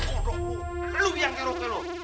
kodok gua lu yang keroke lu